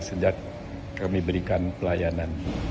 sejak kami berikan pelayanan